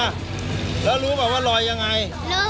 อ่ะแล้วรู้ไหมว่าลอยยังไง